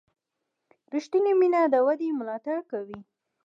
ریښتینې مینه د ودې ملاتړ کوي.